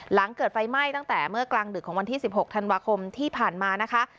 หลังเกิดไฟไหม้ตั้งแต่เมื่อกลางดึกของวันที่๑๖ธันวาคมที่ผ่านมานะคะ